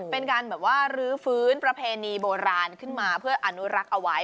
เป็นการแบบว่ารื้อฟื้นประเพณีโบราณขึ้นมาเพื่ออนุรักษ์เอาไว้